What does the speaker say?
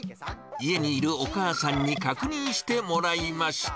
家にいるお母さんに確認してもらいました。